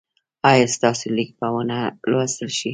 ایا ستاسو لیک به و نه لوستل شي؟